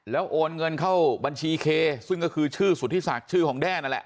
แล้วโอนเงินเข้าบัญชีเคซึ่งก็คือชื่อสุธิศักดิ์ชื่อของแด้นั่นแหละ